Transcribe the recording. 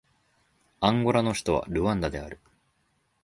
アンゴラの首都はルアンダである